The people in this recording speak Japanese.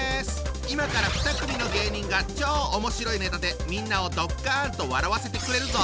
今から２組の芸人が超おもしろいネタでみんなをドッカンと笑わせてくれるぞ！